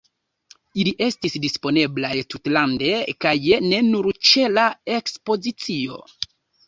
Ili estis disponeblaj tutlande, kaj ne nur ĉe la Ekspozicio.